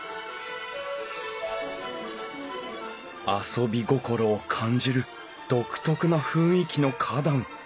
遊び心を感じる独特な雰囲気の花壇。